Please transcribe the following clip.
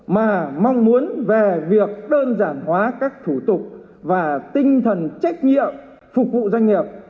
mà mong muốn về việc đơn giản hóa các thủ tục và tinh thần trách nhiệm phục vụ doanh nghiệp